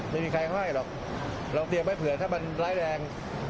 ไม่มีใครห้อยหรอกลองเตรียมไว้เผื่อถ้ามันร้ายแรง